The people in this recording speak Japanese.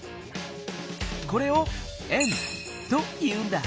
これを「円」と言うんだ。